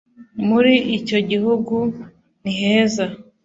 muri icyo gihugu niheza